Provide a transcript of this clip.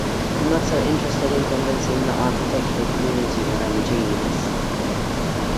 I'm not so interested in convincing the architectural community that I'm a genius.